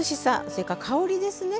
それから香りですね。